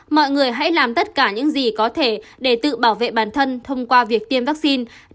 mọi người hãy làm tất cả những gì có thể để tự bảo vệ bản thân thông qua việc tiêm vaccine